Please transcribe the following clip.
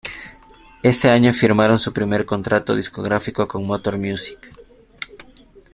Ese año firmaron su primer contrato discográfico con Motor Music.